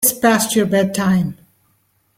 It's past your bedtime.